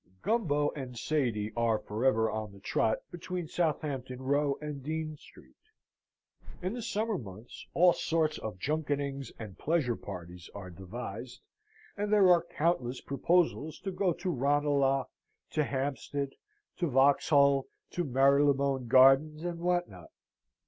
Gumbo and Sady are for ever on the trot between Southampton Row and Dean Street. In the summer months all sorts of junketings and pleasure parties are devised; and there are countless proposals to go to Ranelagh, to Hampstead, to Vauxhall, to Marylebone Gardens, and what not.